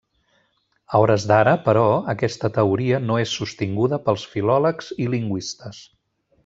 A hores d'ara, però, aquesta teoria no és sostinguda pels filòlegs i lingüistes.